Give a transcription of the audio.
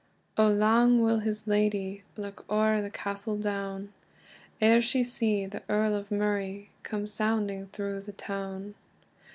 Oh lang will his lady Look oer the castle Down, Eer she see the Earl of Murray Come sounding thro the town!